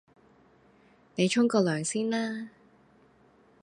你沖個涼先啦